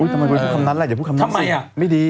เหรอไม่ได้พูดคำนั้นแหละอย่าพูดคำนั้นสิไม่ดี